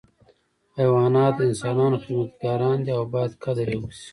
حیوانات د انسانانو خدمتګاران دي او باید قدر یې وشي.